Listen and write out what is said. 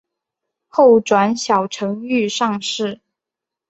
后转小承御上士。